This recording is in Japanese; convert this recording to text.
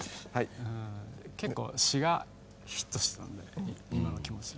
結構詞がフィットしてたんで今の気持ちに。